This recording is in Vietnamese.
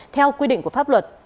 theo quy định của pháp luật